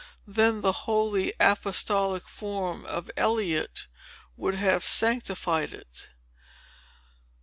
Then the holy apostolic form of Eliot would have sanctified it.